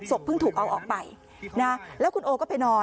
เพิ่งถูกเอาออกไปนะแล้วคุณโอก็ไปนอน